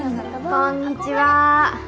こんにちは。